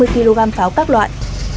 ba trăm năm mươi kg pháo các loại